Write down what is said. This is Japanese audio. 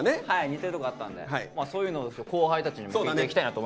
似てるとこあったんでそういうのを後輩たちにも聞いていきたいなと思います。